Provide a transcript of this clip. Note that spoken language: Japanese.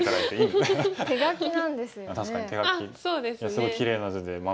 すごいきれいな字で。